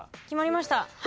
決まりました。